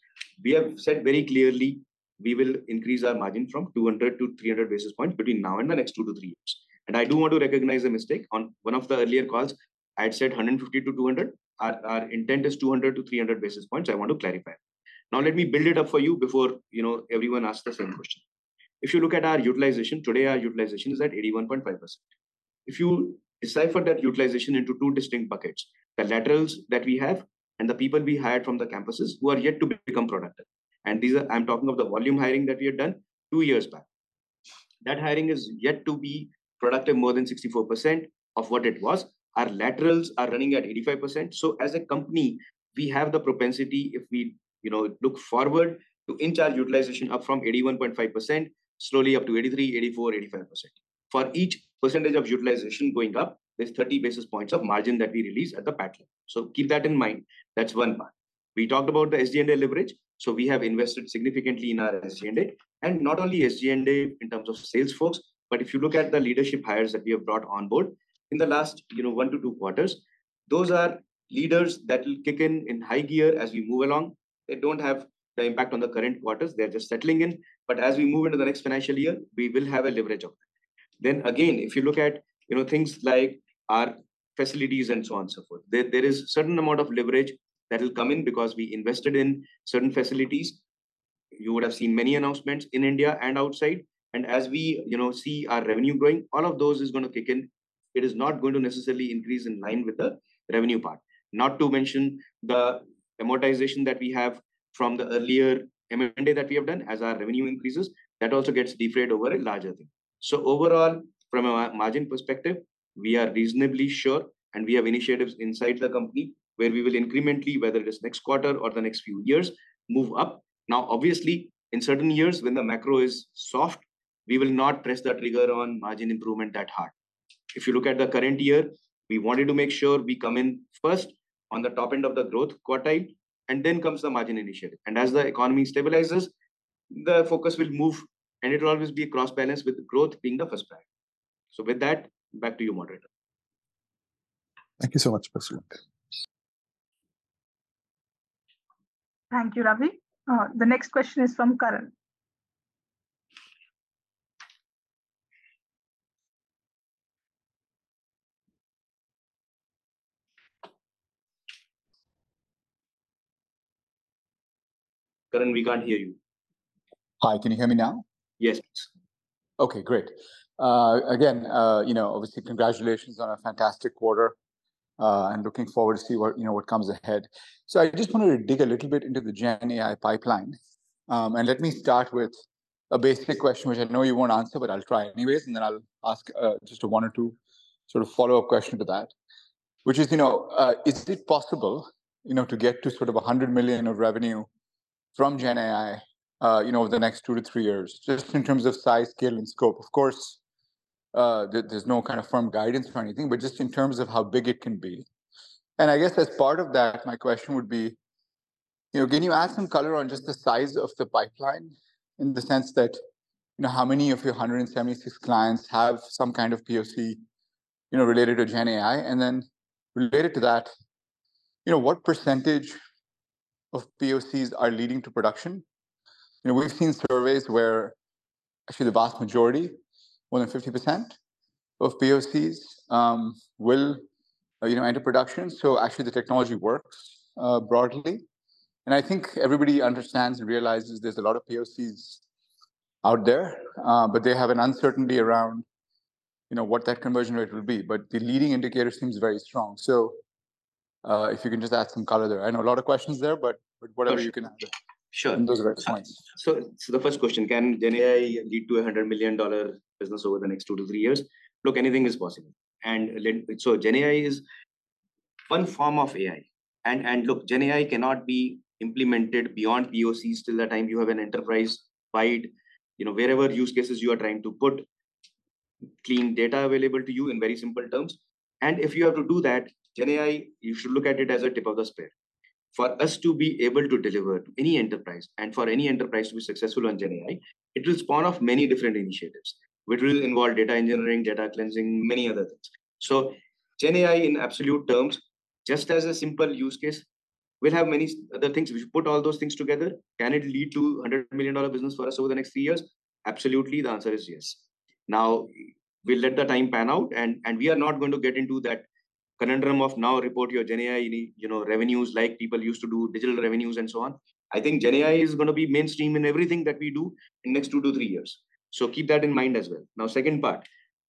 We have said very clearly we will increase our margin from 200 to 300 basis points between now and the next two to three years. I do want to recognize a mistake. On one of the earlier calls, I had said 150-200. Our, our intent is 200-300 basis points. I want to clarify. Now, let me build it up for you before, you know, everyone asks the same question. If you look at our utilization, today, our utilization is at 81.5%. If you decipher that utilization into two distinct buckets, the laterals that we have and the people we hired from the campuses who are yet to become productive, and these are... I'm talking of the volume hiring that we had done two years back. That hiring is yet to be productive, more than 64% of what it was. Our laterals are running at 85%. So as a company, we have the propensity, if we, you know, look forward, to inch our utilization up from 81.5% slowly up to 83%-85%. For each percentage of utilization going up, there's 30 basis points of margin that we release at the back end. So keep that in mind. That's one part. We talked about the SD&A leverage. So we have invested significantly in our SD&A, and not only SD&A in terms of sales force, but if you look at the leadership hires that we have brought on board in the last, you know, 1-2 quarters, those are leaders that will kick in in high gear as we move along. They don't have the impact on the current quarters. They're just settling in. But as we move into the next financial year, we will have a leverage of that. Then again, if you look at, you know, things like our facilities and so on and so forth, there is certain amount of leverage that will come in because we invested in certain facilities. You would have seen many announcements in India and outside, and as we, you know, see our revenue growing, all of those is gonna kick in. It is not going to necessarily increase in line with the revenue part. Not to mention the amortization that we have from the earlier M&A that we have done. As our revenue increases, that also gets defrayed over a larger thing. So overall, from a margin perspective, we are reasonably sure, and we have initiatives inside the company where we will incrementally, whether it is next quarter or the next few years, move up. Now, obviously, in certain years, when the macro is soft, we will not press the trigger on margin improvement that hard. If you look at the current year, we wanted to make sure we come in first on the top end of the growth quartile, and then comes the margin initiative. As the economy stabilizes, the focus will move, and it will always be cross-balanced, with growth being the first priority. With that, back to you, moderator. Thank you so much, Praveen. Thank you, Ravi. The next question is from Karan. Karan, we can't hear you. Hi, can you hear me now? Yes. Okay, great. Again, you know, obviously, congratulations on a fantastic quarter, and looking forward to see what, you know, what comes ahead. So I just wanted to dig a little bit into the GenAI pipeline. And let me start with a basic question, which I know you won't answer, but I'll try anyways, and then I'll ask, just 1 or 2 sort of follow-up question to that, which is, you know, is it possible, you know, to get to sort of $100 million of revenue from GenAI, you know, over the next 2-3 years? Just in terms of size, scale, and scope. Of course, there, there's no kind of firm guidance for anything, but just in terms of how big it can be. I guess as part of that, my question would be, you know, can you add some color on just the size of the pipeline, in the sense that, you know, how many of your 176 clients have some kind of POC, you know, related to GenAI? And then related to that, you know, what percentage of POCs are leading to production? You know, we've seen surveys where actually the vast majority, more than 50% of POCs will, you know, enter production. So actually the technology works broadly. And I think everybody understands and realizes there's a lot of POCs out there, but they have an uncertainty around you know, what that conversion rate will be, but the leading indicator seems very strong. So, if you can just add some color there. I know a lot of questions there, but- Sure. but whatever you can add. Sure. Those are excellent points. So, so the first question: Can GenAI lead to a $100 million business over the next 2-3 years? Look, anything is possible. So GenAI is one form of AI, and, and look, GenAI cannot be implemented beyond POCs till the time you have an enterprise-wide, you know, wherever use cases you are trying to put clean data available to you in very simple terms. And if you have to do that, GenAI, you should look at it as a tip of the spear. For us to be able to deliver to any enterprise, and for any enterprise to be successful on GenAI, it will spawn off many different initiatives, which will involve data engineering, data cleansing, many other things. So GenAI, in absolute terms, just as a simple use case, will have many other things. If you put all those things together, can it lead to a $100 million business for us over the next three years? Absolutely. The answer is yes. Now, we'll let the time pan out, and we are not going to get into that conundrum of now report your GenAI, you know, revenues like people used to do digital revenues, and so on. I think GenAI is gonna be mainstream in everything that we do in the next 2-3 years. So keep that in mind as well. Now, second part,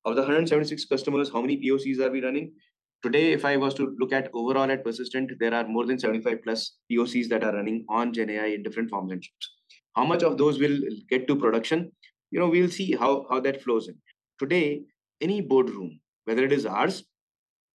of the 176 customers, how many POCs are we running? Today, if I was to look at overall at Persistent, there are more than 75+ POCs that are running on GenAI in different forms and shapes. How much of those will get to production? You know, we'll see how that flows in. Today, any boardroom, whether it is ours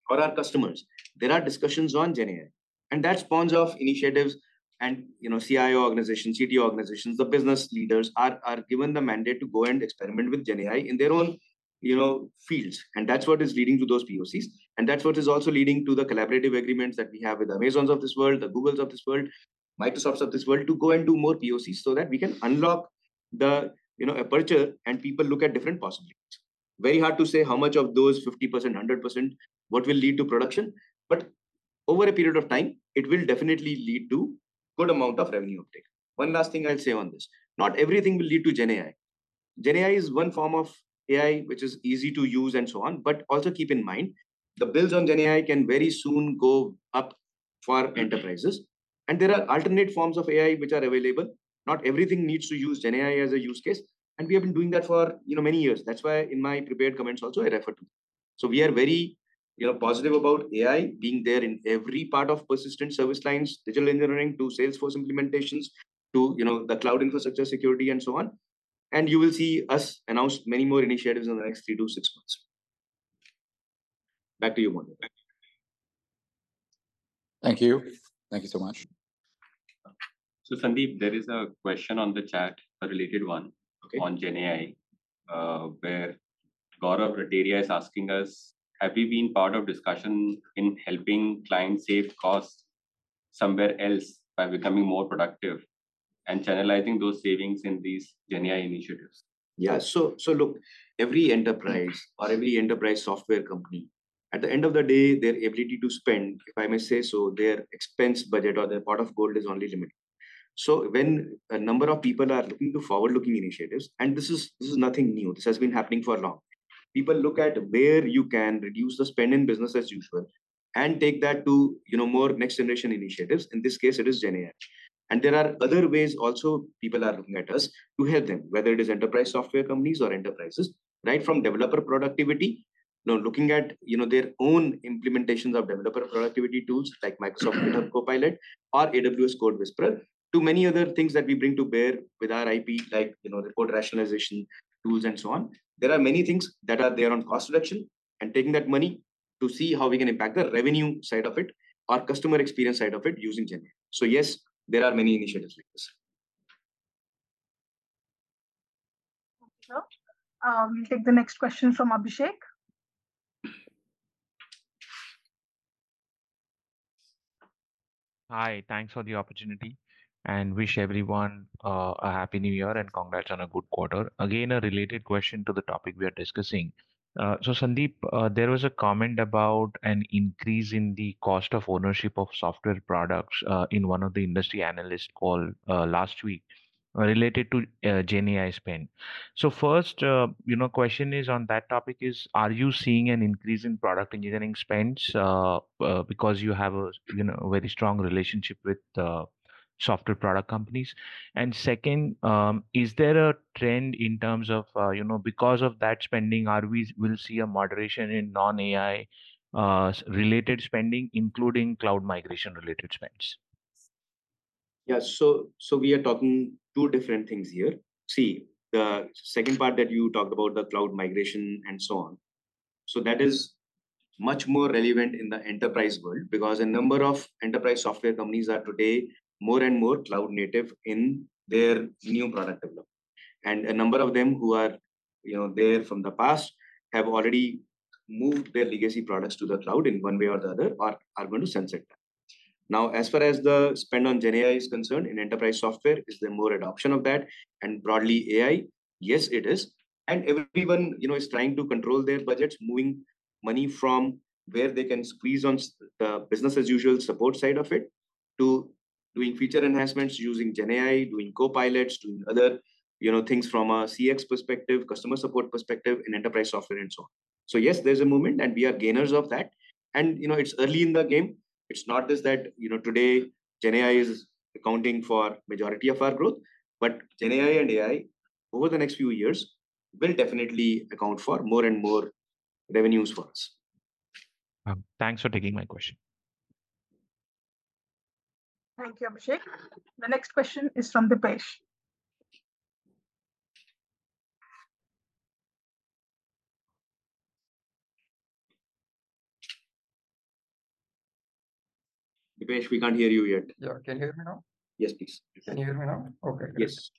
or our customers', there are discussions on GenAI, and that spawns off initiatives. And, you know, CIO organizations, CTO organizations, the business leaders are, are given the mandate to go and experiment with GenAI in their own, you know, fields, and that's what is leading to those POCs. And that's what is also leading to the collaborative agreements that we have with the Amazons of this world, the Googles of this world, Microsofts of this world, to go and do more POCs so that we can unlock the, you know, aperture and people look at different possibilities. Very hard to say how much of those, 50%, 100%, what will lead to production, but over a period of time, it will definitely lead to good amount of revenue uptake. One last thing I'll say on this: not everything will lead to GenAI. GenAI is one form of AI which is easy to use, and so on, but also keep in mind, the bills on GenAI can very soon go up for enterprises. There are alternate forms of AI which are available. Not everything needs to use GenAI as a use case, and we have been doing that for, you know, many years. That's why in my prepared comments also, I referred to it. We are very, you know, positive about AI being there in every part of Persistent service lines, digital engineering to Salesforce implementations, to, you know, the cloud infrastructure security, and so on. You will see us announce many more initiatives in the next three to six months. Back to you, Mohan. Thank you. Thank you so much. Sandeep, there is a question on the chat, a related one- Okay... on GenAI, where Gaurav Rateria is asking us, "Have you been part of discussions in helping clients save costs somewhere else by becoming more productive and channelizing those savings in these GenAI initiatives? Yeah. So look, every enterprise or every enterprise software company, at the end of the day, their ability to spend, if I may say so, their expense budget or their pot of gold is only limited. So when a number of people are looking to forward-looking initiatives... And this is nothing new, this has been happening for long. People look at where you can reduce the spend in business as usual, and take that to, you know, more next-generation initiatives. In this case, it is GenAI. And there are other ways also people are looking at us to help them, whether it is enterprise software companies or enterprises, right? From developer productivity, now looking at, you know, their own implementations of developer productivity tools like Microsoft Copilot or AWS CodeWhisperer, to many other things that we bring to bear with our IP, like, you know, the code rationalization tools, and so on. There are many things that are there on cost reduction, and taking that money to see how we can impact the revenue side of it or customer experience side of it using GenAI. So yes, there are many initiatives like this. Okay. We'll take the next question from Abhishek. Hi, thanks for the opportunity, and wish everyone a happy New Year, and congrats on a good quarter. Again, a related question to the topic we are discussing. So Sandeep, there was a comment about an increase in the cost of ownership of software products in one of the industry analyst call last week related to GenAI spend. So first, you know, question is on that topic is: Are you seeing an increase in product engineering spends because you have a you know a very strong relationship with software product companies? And second, is there a trend in terms of you know because of that spending, we'll see a moderation in non-AI related spending, including cloud migration-related spends? Yeah, so, so we are talking two different things here. See, the second part that you talked about, the cloud migration and so on, so that is much more relevant in the enterprise world because a number of enterprise software companies are today more and more cloud native in their new product development. And a number of them who are, you know, there from the past, have already moved their legacy products to the cloud in one way or the other, or are going to sense it. Now, as far as the spend on GenAI is concerned, in enterprise software, is there more adoption of that and broadly AI? Yes, it is. And everyone, you know, is trying to control their budgets, moving money from where they can squeeze on business-as-usual support side of it, to doing feature enhancements using GenAI, doing Copilots, doing other, you know, things from a CX perspective, customer support perspective in enterprise software, and so on. So yes, there's a movement, and we are gainers of that. And, you know, it's early in the game. It's not just that, you know, today GenAI is accounting for majority of our growth. But GenAI and AI, over the next few years, will definitely account for more and more revenues for us. Thanks for taking my question. Thank you, Abhishek. The next question is from Dipesh. Dipesh, we can't hear you yet. Yeah. Can you hear me now? Yes, please. Can you hear me now? Okay. Yes.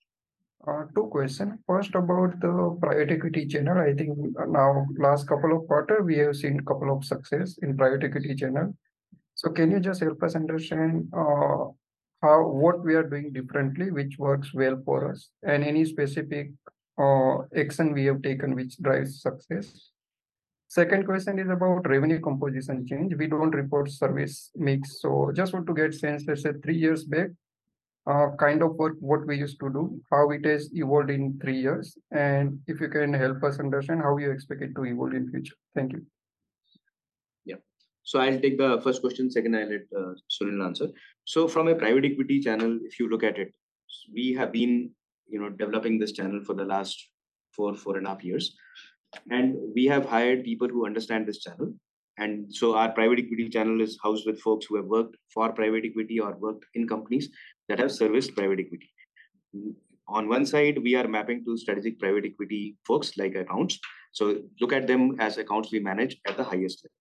Two questions. First, about the private equity channel. I think now, in the last couple of quarters, we have seen a couple of successes in the private equity channel. So can you just help us understand what we are doing differently which works well for us, and any specific action we have taken which drives success? Second question is about revenue composition change. We don't report service mix, so just want to get a sense, let's say, three years back, kind of what we used to do, how it has evolved in three years, and if you can help us understand how you expect it to evolve in the future. Thank you. Yeah. So I'll take the first question, second I'll let Sunil answer. So from a private equity channel, if you look at it, we have been, you know, developing this channel for the last 4, 4.5 years. And we have hired people who understand this channel, and so our private equity channel is housed with folks who have worked for private equity or worked in companies that have serviced private equity. On one side, we are mapping to strategic private equity folks, like accounts, so look at them as accounts we manage at the highest level.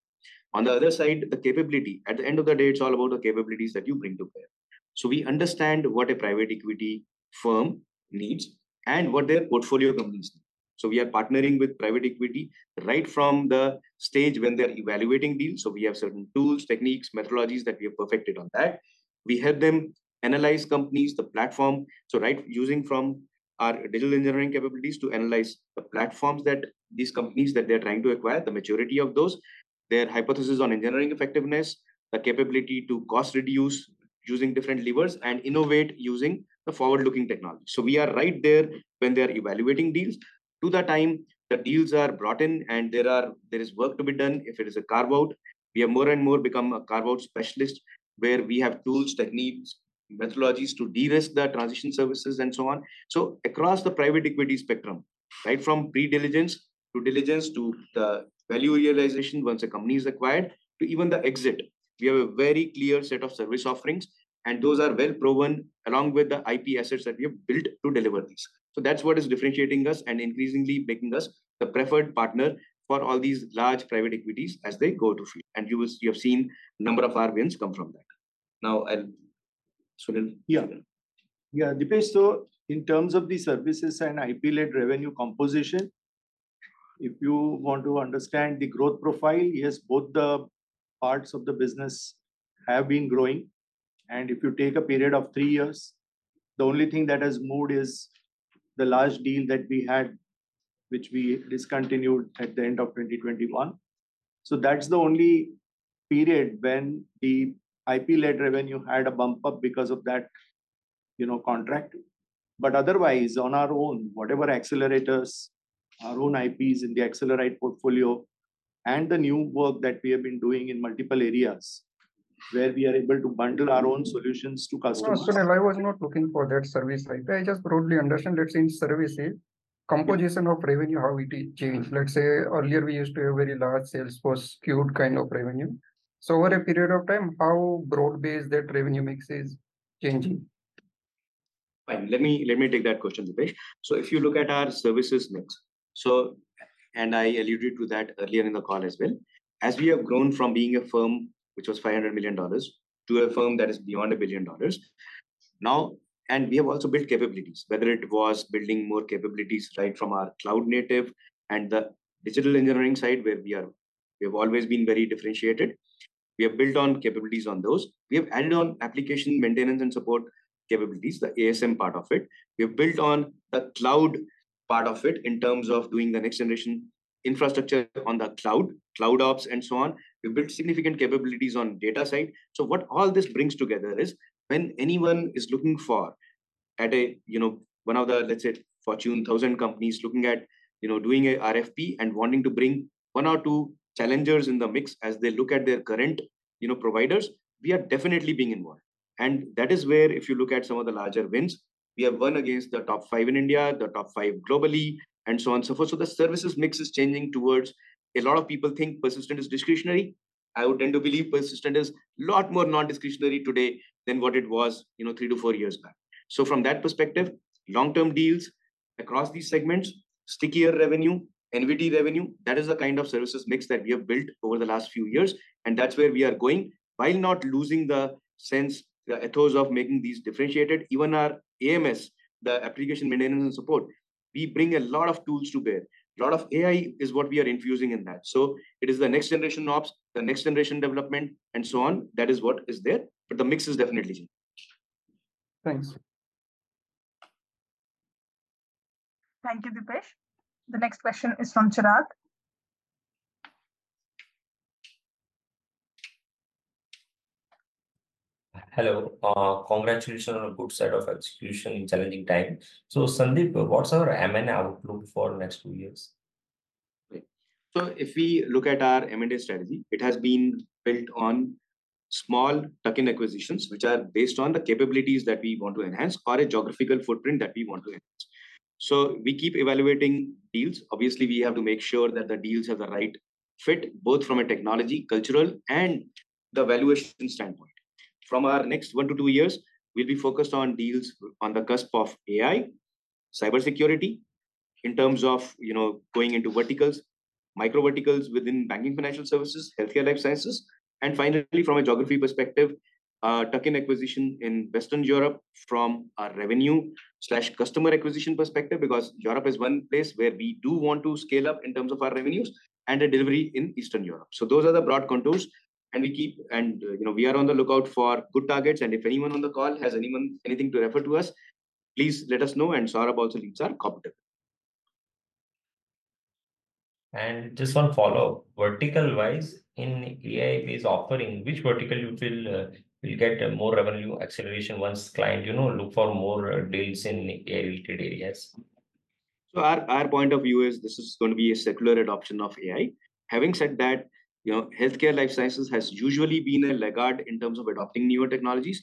On the other side, the capability. At the end of the day, it's all about the capabilities that you bring to bear. So we understand what a private equity firm needs and what their portfolio companies need. So we are partnering with private equity right from the stage when they're evaluating deals, so we have certain tools, techniques, methodologies that we have perfected on that. We help them analyze companies, the platform, so right using from our digital engineering capabilities to analyze the platforms that these companies that they're trying to acquire, the majority of those. Their hypothesis on engineering effectiveness, the capability to cost reduce using different levers, and innovate using the forward-looking technology. So we are right there when they're evaluating deals to the time the deals are brought in and there is work to be done. If it is a carve-out, we have more and more become a carve-out specialist, where we have tools, techniques, methodologies to de-risk the transition services, and so on. So across the private equity spectrum, right from pre-diligence, to diligence, to the value realization once a company is acquired, to even the exit, we have a very clear set of service offerings, and those are well-proven, along with the IP assets that we have built to deliver these. So that's what is differentiating us and increasingly making us the preferred partner for all these large private equities as they go to fit. And you will-- you have seen a number of our wins come from that. Now, I'll... Sunil? Yeah. Yeah, Dipesh, so in terms of the services and IP-led revenue composition, if you want to understand the growth profile, yes, both the parts of the business have been growing. And if you take a period of three years, the only thing that has moved is the large deal that we had, which we discontinued at the end of 2021. So that's the only period when the IP-led revenue had a bump up because of that, you know, contract. But otherwise, on our own, whatever accelerators, our own IPs in the accelerate portfolio, and the new work that we have been doing in multiple areas, where we are able to bundle our own solutions to customers- No, Sunil, I was not looking for that service right there. I just broadly understand, let's say, in service a composition of revenue, how it is changed. Let's say, earlier we used to have very large sales force skewed kind of revenue. So over a period of time, how broad-based that revenue mix is changing? Fine. Let me, let me take that question, Dipesh. So if you look at our services mix, so... And I alluded to that earlier in the call as well. As we have grown from being a firm which was $500 million to a firm that is beyond $1 billion now, and we have also built capabilities. Whether it was building more capabilities right from our cloud native and the digital engineering side, where we are—we have always been very differentiated. We have built on capabilities on those. We have added on application maintenance and support capabilities, the ASM part of it. We have built on the cloud part of it in terms of doing the next-generation infrastructure on the cloud, cloud ops, and so on. We've built significant capabilities on data side. So what all this brings together is, when anyone is looking for at a, you know, one of the, let's say, Fortune Thousand companies, looking at, you know, doing a RFP and wanting to bring one or two challengers in the mix as they look at their current, you know, providers, we are definitely being involved. And that is where, if you look at some of the larger wins, we have won against the top five in India, the top five globally, and so on and so forth. So the services mix is changing towards... A lot of people think Persistent is discretionary. I would tend to believe Persistent is a lot more non-discretionary today than what it was, you know, three to four years back. So from that perspective, long-term deals across these segments, stickier revenue, annuity revenue, that is the kind of services mix that we have built over the last few years, and that's where we are going, while not losing the sense towards of making these differentiated. Even our AMS, the application maintenance and support, we bring a lot of tools to bear. A lot of AI is what we are infusing in that. So it is the next-generation ops, the next-generation development, and so on. That is what is there, but the mix is definitely changing. Thanks. Thank you, Dipesh. The next question is from Chirag. Hello. Congratulations on a good set of execution in challenging times. Sandeep, what's our M&A outlook for next two years?... Right. So if we look at our M&A strategy, it has been built on small tuck-in acquisitions, which are based on the capabilities that we want to enhance or a geographical footprint that we want to enhance. We keep evaluating deals. Obviously, we have to make sure that the deals have the right fit, both from a technology, cultural, and the valuation standpoint. From our next one to two years, we'll be focused on deals on the cusp of AI, cybersecurity, in terms of, you know, going into verticals, micro verticals within banking, financial services, healthcare, life sciences. And finally, from a geography perspective, tuck-in acquisition in Western Europe from a revenue/customer acquisition perspective, because Europe is one place where we do want to scale up in terms of our revenues and a delivery in Eastern Europe. So those are the broad contours, and we keep-- and, you know, we are on the lookout for good targets, and if anyone on the call has anything to refer to us, please let us know, and Saurabh also leads our competitive. Just one follow-up. Vertical-wise, in AI-based offering, which vertical you feel will get a more revenue acceleration once client, you know, look for more deals in AI-related areas? So our point of view is this is going to be a secular adoption of AI. Having said that, you know, healthcare life sciences has usually been a laggard in terms of adopting newer technologies.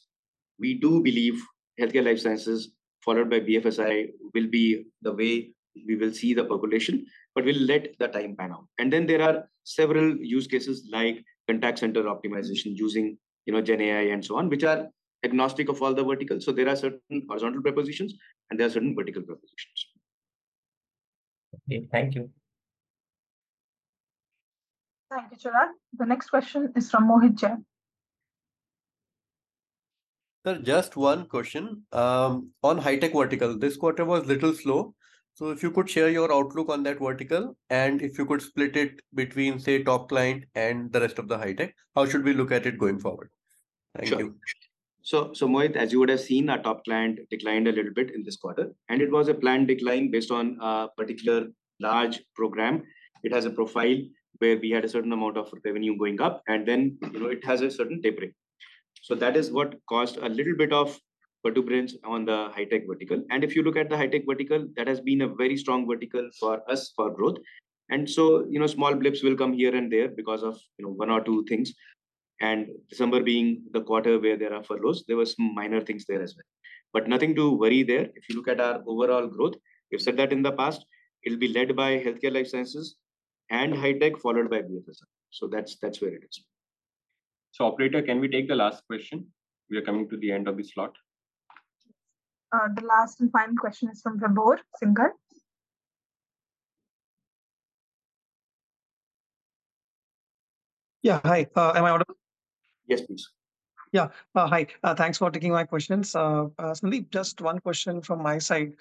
We do believe healthcare life sciences, followed by BFSI, will be the way we will see the population, but we'll let the time pan out. And then there are several use cases like contact center optimization using, you know, GenAI and so on, which are agnostic of all the verticals. So there are certain horizontal propositions and there are certain vertical propositions. Okay. Thank you. Thank you, Chirag. The next question is from Mohit Jain. Sir, just one question on high-tech vertical. This quarter was a little slow, so if you could share your outlook on that vertical, and if you could split it between, say, top client and the rest of the high-tech, how should we look at it going forward? Thank you. Sure. So, so Mohit, as you would have seen, our top client declined a little bit in this quarter, and it was a planned decline based on a particular large program. It has a profile where we had a certain amount of revenue going up, and then, you know, it has a certain tapering. So that is what caused a little bit of perturbance on the high-tech vertical. And if you look at the high-tech vertical, that has been a very strong vertical for us for growth. And so, you know, small blips will come here and there because of, you know, one or two things. And December being the quarter where there are furloughs, there were some minor things there as well. But nothing to worry there. If you look at our overall growth, we've said that in the past, it'll be led by healthcare life sciences and high tech, followed by BFSI. So that's, that's where it is. So Operator, can we take the last question? We are coming to the end of this slot. The last and final question is from Vibhor Singhal Yeah, hi. Am I audible? Yes, please. Yeah. Hi. Thanks for taking my questions. Sandeep, just one question from my side.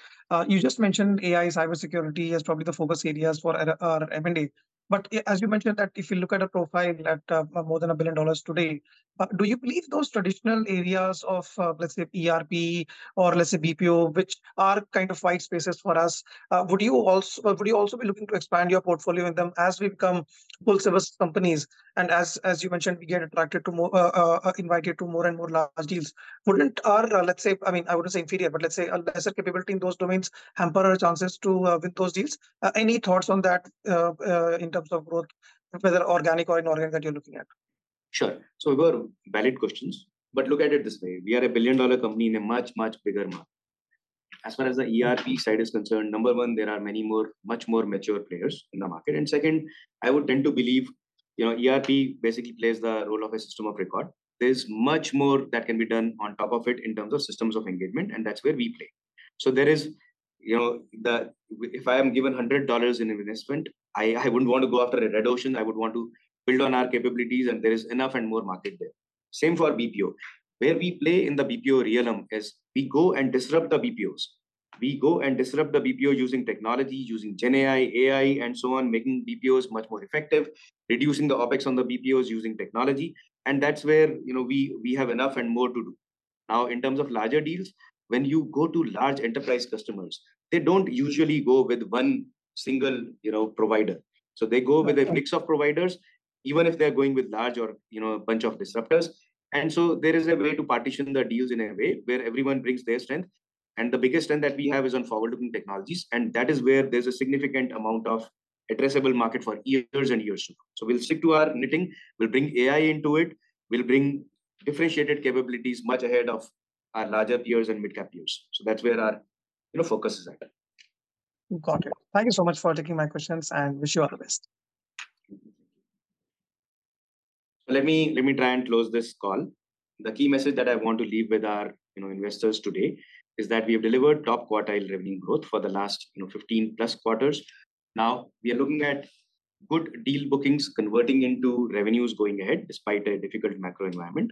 You just mentioned AI, cybersecurity as probably the focus areas for our M&A. But as you mentioned that if you look at a profile at more than $1 billion today, do you believe those traditional areas of, let's say, ERP or let's say BPO, which are kind of white spaces for us, would you also be looking to expand your portfolio with them as we become full service companies? And as you mentioned, we get attracted to more invited to more and more large deals. Wouldn't our, let's say, I mean, I wouldn't say inferior, but let's say a lesser capability in those domains, hamper our chances to win those deals? Any thoughts on that, in terms of growth, whether organic or inorganic, that you're looking at? Sure. So very valid questions, but look at it this way: we are a billion-dollar company in a much, much bigger market. As far as the ERP side is concerned, number one, there are many more, much more mature players in the market. And second, I would tend to believe, you know, ERP basically plays the role of a system of record. There's much more that can be done on top of it in terms of systems of engagement, and that's where we play. So there is, you know, if I am given $100 in investment, I wouldn't want to go after a reduction. I would want to build on our capabilities, and there is enough and more market there. Same for BPO. Where we play in the BPO realm is we go and disrupt the BPOs. We go and disrupt the BPO using technology, using GenAI, AI, and so on, making BPOs much more effective, reducing the OpEx on the BPOs using technology, and that's where, you know, we have enough and more to do. Now, in terms of larger deals, when you go to large enterprise customers, they don't usually go with one single, you know, provider. So they go with- Okay... a mix of providers, even if they're going with large or, you know, a bunch of disruptors. And so there is a way to partition the deals in a way where everyone brings their strength, and the biggest strength that we have is on forward-looking technologies, and that is where there's a significant amount of addressable market for years and years to come. So we'll stick to our knitting. We'll bring AI into it. We'll bring differentiated capabilities much ahead of our larger peers and midcap peers. So that's where our, you know, focus is at. Got it. Thank you so much for taking my questions, and wish you all the best. Thank you. Let me try and close this call. The key message that I want to leave with our, you know, investors today is that we have delivered top-quartile revenue growth for the last, you know, 15+ quarters. Now, we are looking at good deal bookings converting into revenues going ahead, despite a difficult macro environment.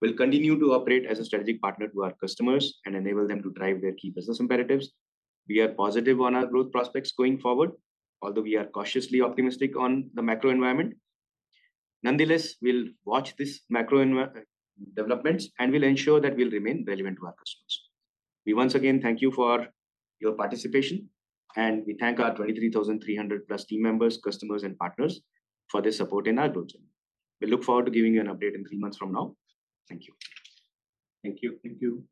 We'll continue to operate as a strategic partner to our customers and enable them to drive their key business imperatives. We are positive on our growth prospects going forward, although we are cautiously optimistic on the macro environment. Nonetheless, we'll watch this macro developments, and we'll ensure that we'll remain relevant to our customers. We once again thank you for your participation, and we thank our 23,300+ team members, customers, and partners for their support in our growth journey. We look forward to giving you an update in 3 months from now. Thank you. Thank you. Thank you.